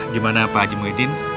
gimana pak haji muhyiddin